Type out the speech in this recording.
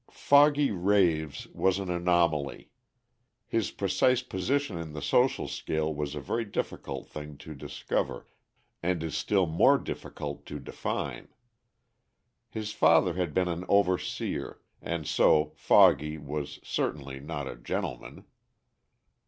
"Foggy" Raves was an anomaly. His precise position in the social scale was a very difficult thing to discover, and is still more difficult to define. His father had been an overseer, and so "Foggy" was certainly not a "gentleman."